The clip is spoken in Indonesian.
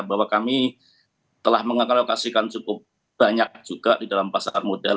bahwa kami telah mengaklokasikan cukup banyak juga di dalam pasar modal